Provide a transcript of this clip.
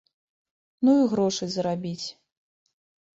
Ну і грошай зарабіць.